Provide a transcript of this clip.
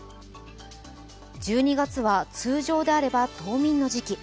１２月は通常であれば冬眠の時期。